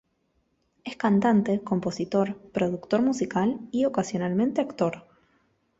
Es cantante, compositor, productor musical y ocasionalmente actor.